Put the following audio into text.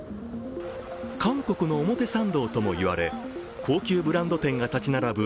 韓国の表参道とも言われ、高級ブランド店が立ち並ぶ